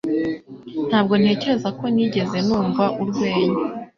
Ntabwo ntekereza ko nigeze numva urwenya.